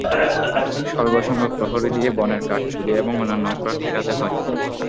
স্বল্পসংখ্যক প্রহরী দিয়ে বনের কাঠ চুরি এবং অন্যান্য অপরাধ ঠেকাতে হয়।